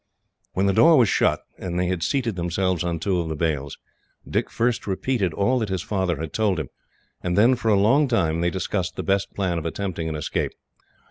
When the door was shut, and they had seated themselves on two of the bales, Dick first repeated all that his father had told him, and then, for a long time, they discussed the best plan of attempting an escape.